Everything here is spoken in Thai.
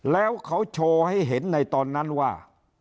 แล้วเขาโชว์ให้เห็นในตอนนั้นว่า